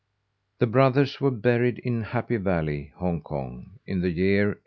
The brothers were buried in Happy Valley, Hong Kong, in the year 1877.